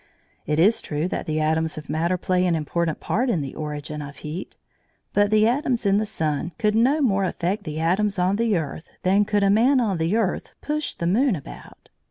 It is true that the atoms of matter play an important part in the origin of heat, but the atoms in the sun could no more affect the atoms on the earth than could a man on the earth push the moon about.